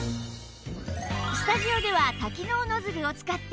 スタジオではおお！